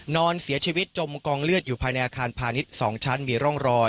นอนเสียชีวิตจมกองเลือดอยู่ภายในอาคารพาณิชย์๒ชั้นมีร่องรอย